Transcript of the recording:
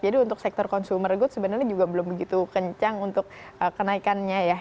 jadi untuk sektor consumer good sebenarnya juga belum begitu kencang untuk kenaikannya ya